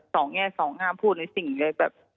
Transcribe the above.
สองแง่สองงามพูดอะไรสิ่งอีกเลยแบบ